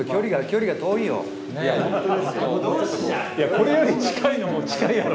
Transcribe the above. これより近いのも近いやろ。